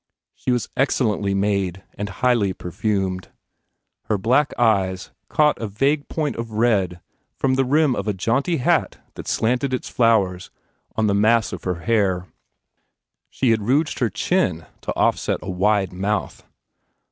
She was excellently made and highly perfumed. Her black eyer caught a vague point of red from the rim of a jaunty hat that slanted its flowers on the mass of her hair. She had rouged her chin to offset a wide mouth.